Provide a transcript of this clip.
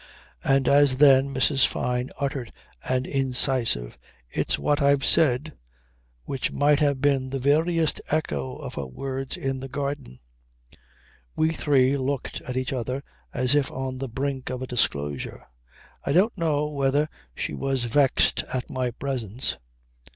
And as then Mrs. Fyne uttered an incisive "It's what I've said," which might have been the veriest echo of her words in the garden. We three looked at each other as if on the brink of a disclosure. I don't know whether she was vexed at my presence.